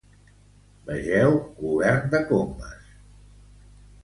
Vegeu Govern de Combes.